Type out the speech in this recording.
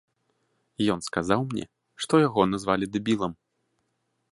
Ён сказаў мне, што яго назвалі дэбілам.